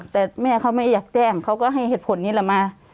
แต่แม่เขาไม่อยากแจ้งเขาก็ให้เหตุผลนี้แหละมา